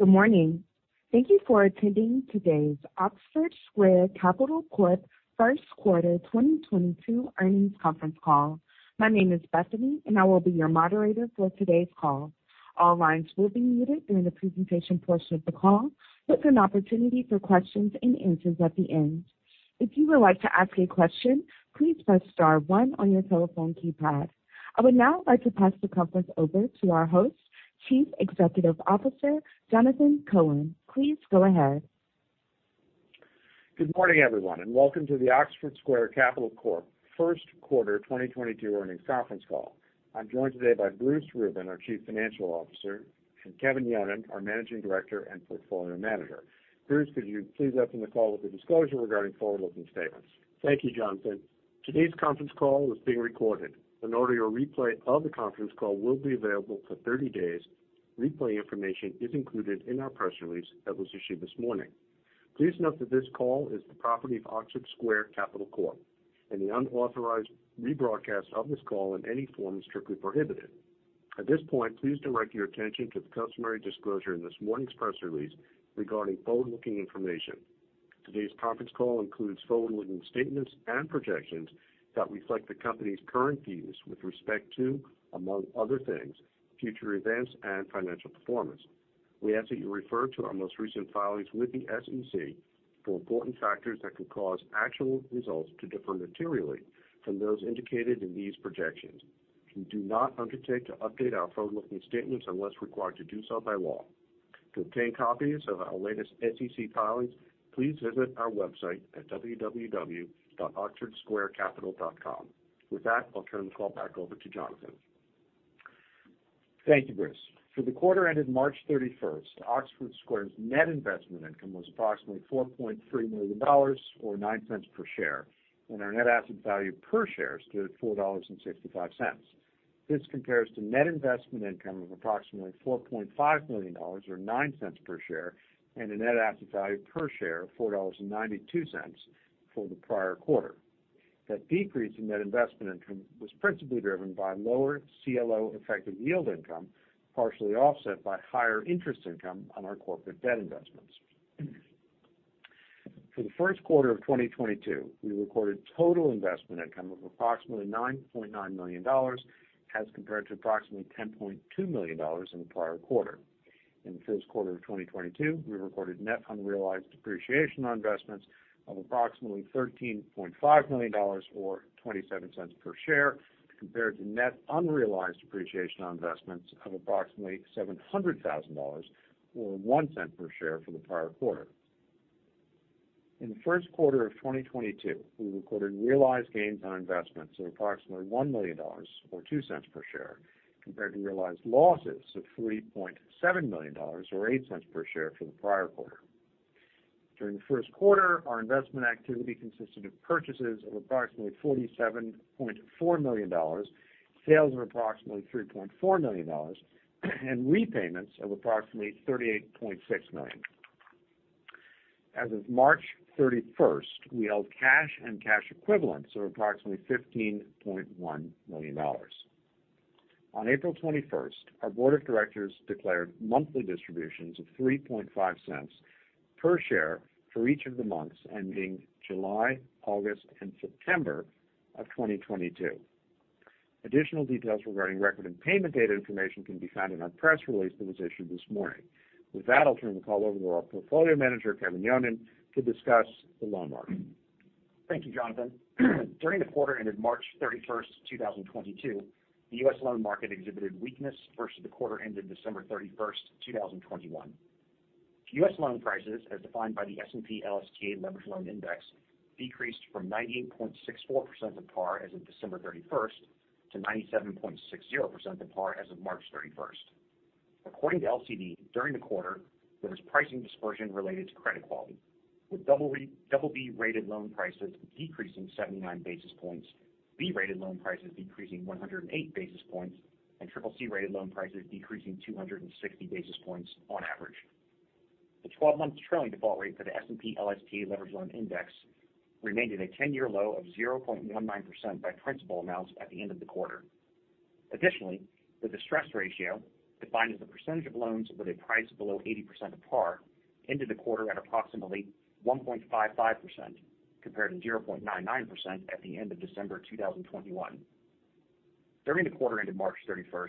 Good morning. Thank you for attending today's Oxford Square Capital Corp.'s Q1 2022 Earnings Conference Call. My name is Bethany, and I will be your moderator for today's call. All lines will be muted during the presentation portion of the call, with an opportunity for Q&A at the end. If you would like to ask a question, please press star one on your telephone keypad. I would now like to pass the Conference over to our host, Chief Executive Officer Jonathan Cohen. Please go ahead. Good morning, everyone, and welcome to the Oxford Square Capital Corp. Q1 2022 Earnings Conference Call. I'm joined today by Bruce Rubin, our Chief Financial Officer, and Kevin Yonon, our Managing Director and Portfolio Manager. Bruce, could you please open the call with a disclosure regarding forward-looking statements? Thank you, Jonathan. Today's Conference Call is being recorded. An audio replay of the Conference Call will be available for 30 days. Replay information is included in our press release that was issued this morning. Please note that this call is the property of Oxford Square Capital Corp., and the unauthorized rebroadcast of this call in any form is strictly prohibited. At this point, please direct your attention to the customary disclosure in this morning's press release regarding forward-looking information. Today's Conference Call includes forward-looking statements and projections that reflect the company's current views with respect to, among other things, future events and financial performance. We ask that you refer to our most recent filings with the SEC for important factors that could cause actual results to differ materially from those indicated in these projections. We do not undertake to update our forward-looking statements unless required to do so by law. To obtain copies of our latest SEC filings, please visit our website at www.oxfordsquarecapital.com. With that, I'll turn the call back over to Jonathan. Thank you, Bruce. For the quarter ended March 31st, Oxford Square's net investment income was approximately $4.3 million or $0.09 per share, and our net asset value per share stood at $4.65. This compares to net investment income of approximately $4.5 million or $0.09 per share, and a net asset value per share of $4.92 for the prior quarter. That decrease in net investment income was principally driven by lower CLO effective yield income, partially offset by higher interest income on our corporate debt investments. For Q1 2022, we recorded total investment income of approximately $9.9 million as compared to approximately $10.2 million in the prior quarter. In Q1 2022, we recorded net unrealized depreciation on investments of approximately $13.5 million or $0.27 per share, compared to net unrealized depreciation on investments of approximately $700,000 or $0.01 per share for the prior quarter. In Q1 2022, we recorded realized gains on investments of approximately $1 million or $0.02 per share, compared to realized losses of $47 million or $0.08 per share for the prior quarter. During Q1, our investment activity consisted of purchases of approximately $47.4 million, sales of approximately $3.4 million, and repayments of approximately $38.6 million. As of March 31, we held cash and cash equivalents of approximately $15.1 million. On April 21, our board of directors declared monthly distributions of $0.035 per share for each of the months ending July, August, and September of 2022. Additional details regarding record and payment data information can be found in our press release that was issued this morning. With that, I'll turn the call over to our portfolio manager, Kevin Yonon, to discuss the loan market. Thank you, Jonathan. During the quarter ended March 31, 2022, the U.S. loan market exhibited weakness versus the quarter ended December 31, 2021. U.S. loan prices, as defined by the S&P/LSTA Leveraged Loan Index, decreased from 98.64% of par as of December 31 to 97.60% of par as of March 31. According to LCD, during the quarter, there was pricing dispersion related to credit quality, with double B-rated loan prices decreasing 79 basis points, B-rated loan prices decreasing 108 basis points, and triple C-rated loan prices decreasing 260 basis points on average. The 12-month trailing default rate for the S&P/LSTA Leveraged Loan Index remained at a 10-year low of 0.19% by principal amounts at the end of the quarter. Additionally, the distress ratio, defined as the percentage of loans with a price below 80% of par, ended the quarter at approximately 1.55% compared to 0.99% at the end of December 2021. During the quarter ended March 31,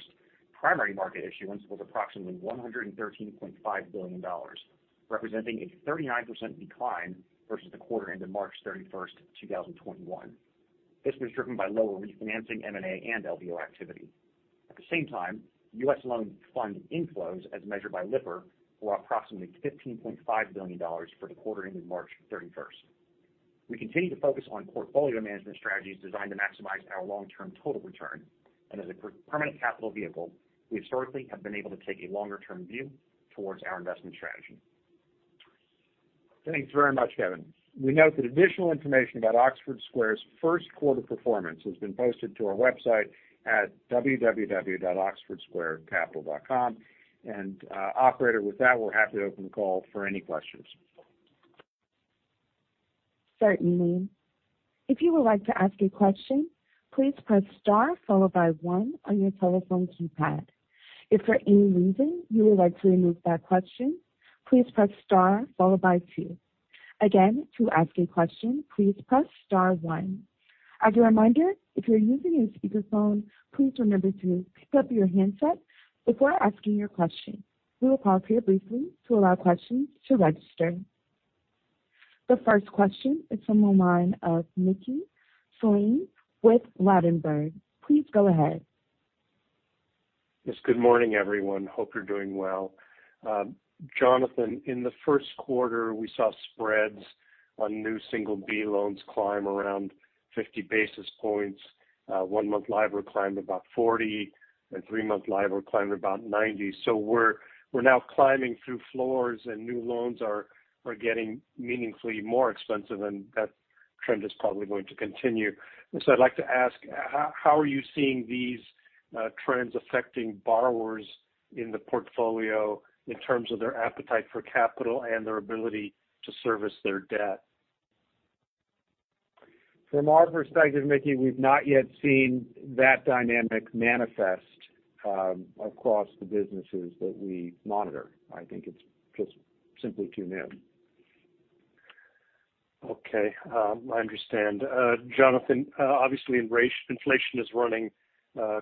primary market issuance was approximately $113.5 billion, representing a 39% decline versus the quarter ended March 31, 2021. This was driven by lower refinancing, M&A, and LBO activity. At the same time, U.S. loan fund inflows, as measured by Lipper, were approximately $15.5 billion for the quarter ended March 31. We continue to focus on portfolio management strategies designed to maximize our long-term total return. As a permanent capital vehicle, we have historically been able to take a longer-term view towards our investment strategy. Thanks very much, Kevin. We note that additional information about Oxford Square's Q1 performance has been posted to our website at www.oxfordsquarecapital.com. Operator, with that, we're happy to open the call for any questions. Certainly. If you would like to ask a question, please press star followed by one on your telephone keypad. If, for any reason you would like to remove that question, please press star followed by two. Again, to ask a question, please press star one. As a reminder, if you're using a speakerphone, please remember to pick up your handset before asking your question. We will pause here briefly to allow questions to register. The first question is from the line of Mickey Schleien with Ladenburg Thalmann. Please go ahead. Yes, good morning, everyone. Hope you're doing well. Jonathan, in Q1, we saw spreads on new single B loans climb around 50 basis points. One-month LIBOR climbed about 40, and three-month LIBOR climbed about 90. We're now climbing through floors, and new loans are getting meaningfully more expensive, and that trend is probably going to continue. I'd like to ask, how are you seeing these trends affecting borrowers in the portfolio in terms of their appetite for capital and their ability to service their debt? From our perspective, Mickey, we've not yet seen that dynamic manifest across the businesses that we monitor. I think it's just simply too new. I understand. Jonathan, obviously, inflation is running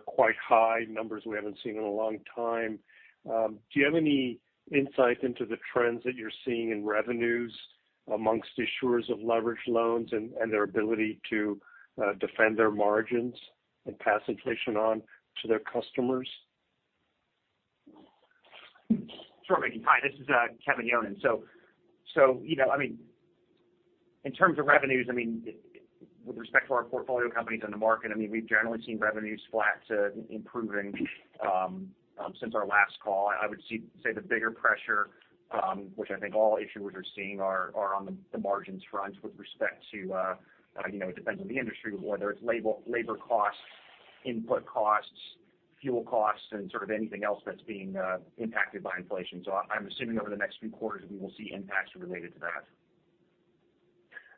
quite high, numbers we haven't seen in a long time. Do you have any insight into the trends that you're seeing in revenues amongst issuers of leveraged loans and their ability to defend their margins and pass inflation on to their customers? Sure, Mickey. Hi, this is Kevin Yonan. You know, I mean, in terms of revenues, I mean, with respect to our portfolio companies on the market, I mean, we've generally seen revenues flat to improving since our last call. I would say the bigger pressure, which I think all issuers are seeing are on the margins front with respect to you know, it depends on the industry, whether it's labor costs, input costs, fuel costs, and sort of anything else that's being impacted by inflation. I'm assuming over the next few quarters, we will see impacts related to that.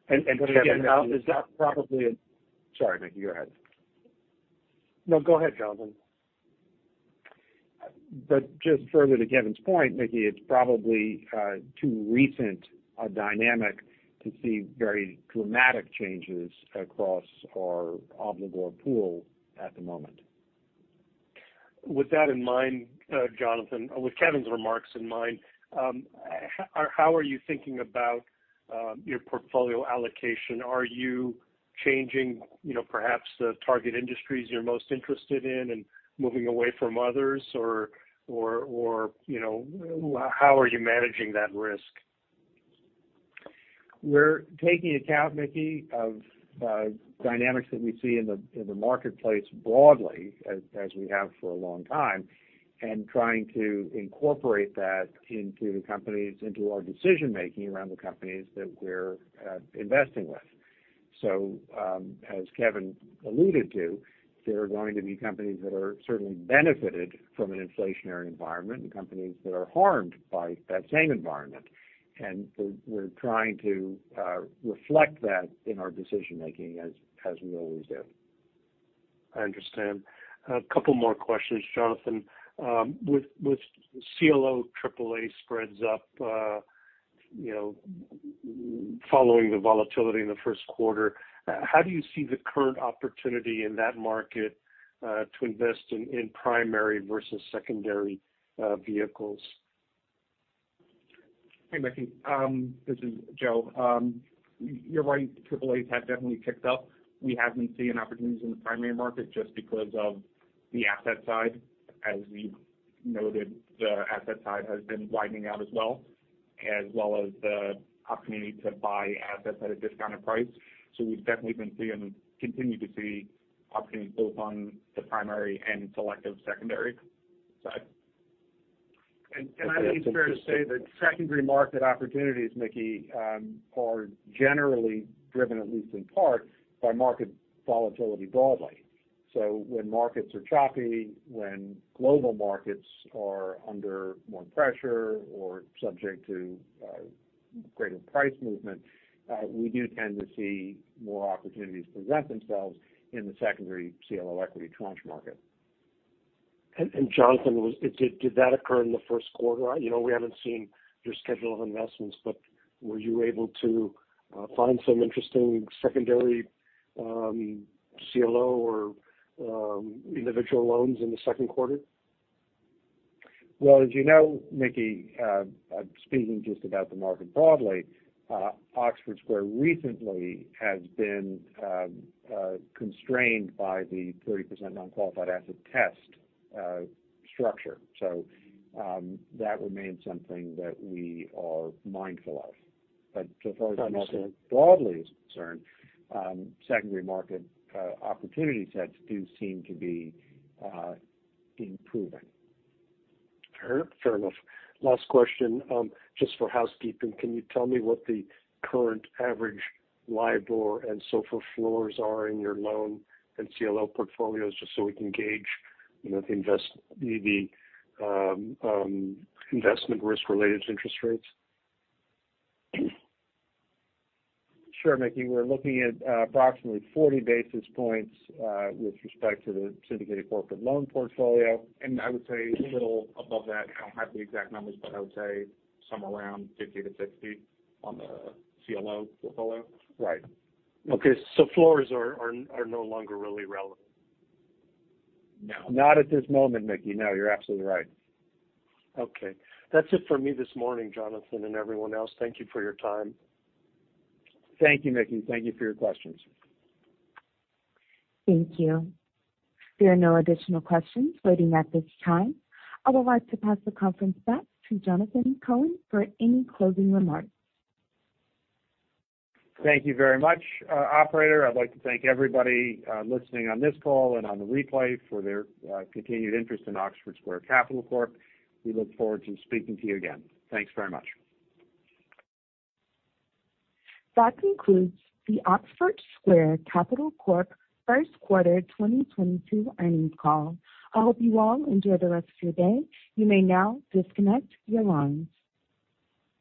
Kevin Again, is that probably? Sorry, Mickey, go ahead. No, go ahead, Jonathan. Just further to Kevin's point, Mickey, it's probably too recent a dynamic to see very dramatic changes across our obligor pool at the moment. With that in mind, Jonathan, with Kevin's remarks in mind, how are you thinking about your portfolio allocation? Are you changing, you know, perhaps the target industries you're most interested in and moving away from others or, you know, how are you managing that risk? We're taking into account, Mickey, the dynamics that we see in the marketplace broadly, as we have for a long time, and trying to incorporate that into the companies, into our decision-making around the companies that we're investing with. As Kevin alluded to, there are going to be companies that are certainly benefit from an inflationary environment and companies that are harmed by that same environment. We're trying to reflect that in our decision-making as we always do. I understand. A couple more questions, Jonathan. With CLO triple A spreads up, you know, following the volatility in Q1, how do you see the current opportunity in that market to invest in primary versus secondary vehicles? Hey, Mickey. This is Joe. You're right. Triple A's have definitely ticked up. We have been seeing opportunities in the primary market just because of the asset side. As we noted, the asset side has been widening out, as well as the opportunity to buy assets at a discounted price. We've definitely been seeing and continue to see opportunities both on the primary and selective secondary side. I think it's fair to say that secondary market opportunities, Mickey, are generally driven at least in part by market volatility broadly. When markets are choppy, when global markets are under more pressure or subject to greater price movement, we do tend to see more opportunities present themselves in the secondary CLO Equity Tranche Market. Jonathan, did that occur in Q1? You know, we haven't seen your schedule of investments, but were you able to find some interesting secondary CLO or individual loans in Q2? Well, as you know, Mickey, speaking just about the market broadly, Oxford Square recently has been constrained by the 30% non-qualified asset test structure. That remains something that we are mindful of. So far as the market is broadly concerned, secondary market opportunities do seem to be improving. Fair enough. Last question, just for housekeeping. Can you tell me what the current average LIBOR and SOFR floors are in your loan and CLO portfolios, just so we can gauge, you know, the investment risk related to interest rates? Sure, Mickey. We're looking at approximately 40 basis points with respect to the syndicated corporate loan portfolio. I would say a little above that. I don't have the exact numbers, but I would say somewhere around 50-60 on the CLO portfolio. Right. Okay. Floors are no longer really relevant? No. Not at this moment, Mickey. No, you're absolutely right. Okay. That's it for me this morning, Jonathan and everyone else. Thank you for your time. Thank you, Mickey. Thank you for your questions. Thank you. There are no additional questions waiting at this time. I would like to pass the conference back to Jonathan Cohen for any closing remarks. Thank you very much, operator. I'd like to thank everybody, listening to this call and on the replay for their continued interest in Oxford Square Capital Corp. We look forward to speaking to you again. Thanks very much. That concludes the Oxford Square Capital Corp. Q1 2022 Earnings Call. I hope you all enjoy the rest of your day. You may now disconnect your lines.